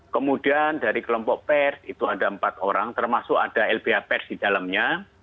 kemudian dari kelompok pers itu ada empat orang termasuk ada lbh pers di dalamnya